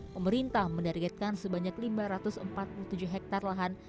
pemerintah menargetkan sebanyak lima ratus empat puluh tujuh hektare lahan